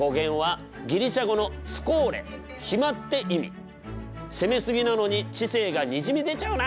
ちなみに攻めすぎなのに知性がにじみ出ちゃうな。